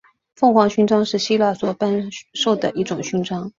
凤凰勋章是希腊所颁授的一种勋章。